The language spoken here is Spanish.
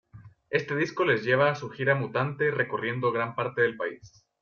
Este disco les lleva a su Gira Mutante recorriendo gran parte del país..